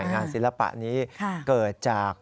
ศิลปะนี้เกิดจาก